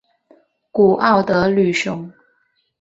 古奥德吕雄。